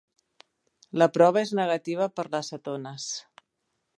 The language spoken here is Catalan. La prova es negativa per les cetones.